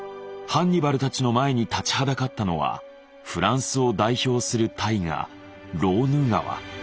ハンニバルたちの前に立ちはだかったのはフランスを代表する大河ローヌ川。